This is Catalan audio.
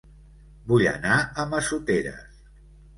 Vull anar a Massoteres